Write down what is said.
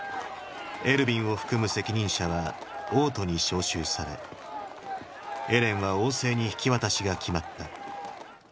エルヴィンを含む責任者は王都に招集されエレンは王政に引き渡しが決まった。